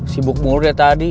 sibuk mulu deh tadi